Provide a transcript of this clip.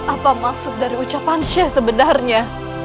apa maksud dari ucapan sheikh sebenarnya